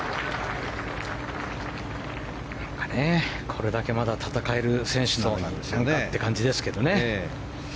これだけまだ戦える選手なんだっていう感じですけどね。